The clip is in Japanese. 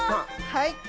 はい。